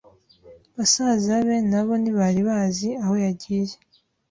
Basaza be na bo ntibari bazi aho yagiye.